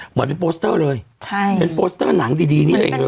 เหมือนเป็นโปสเตอร์เลยใช่เป็นโปสเตอร์หนังดีดีนี้เองเลย